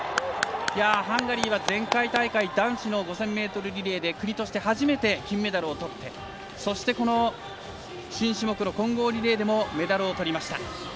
ハンガリーは前回大会男子の５０００ｍリレーで国として初めて金メダルをとってそして、新種目の混合リレーでもメダルをとりました。